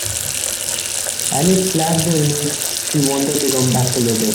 Alice flagged the emails she wanted to come back to later